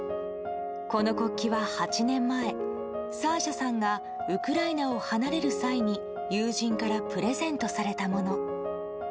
この国旗は８年前サーシャさんがウクライナを離れる際に友人からプレゼントされたもの。